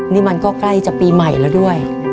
นี่มันก็ใกล้จะปีใหม่แล้วด้วย